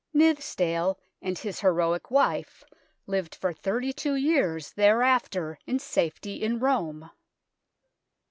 Nithsdale and his heroic wife lived for thirty two years thereafter in safety in Rome.